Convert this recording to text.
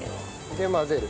で混ぜる。